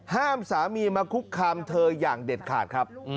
สามีมาคุกคามเธออย่างเด็ดขาดครับ